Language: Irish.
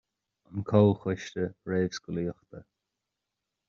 an comhchoiste réamhscolaíochta